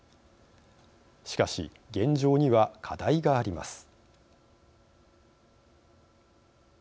しかし、現状には課題があります。